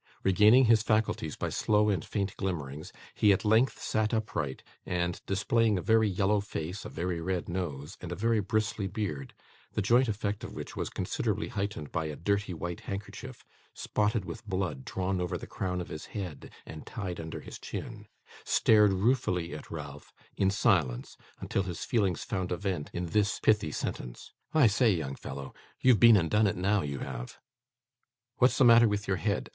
Regaining his faculties by slow and faint glimmerings, he at length sat upright; and, displaying a very yellow face, a very red nose, and a very bristly beard: the joint effect of which was considerably heightened by a dirty white handkerchief, spotted with blood, drawn over the crown of his head and tied under his chin: stared ruefully at Ralph in silence, until his feelings found a vent in this pithy sentence: 'I say, young fellow, you've been and done it now; you have!' 'What's the matter with your head?